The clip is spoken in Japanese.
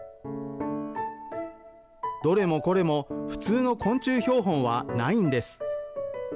どれもこれも、普通の昆虫標本はないんです。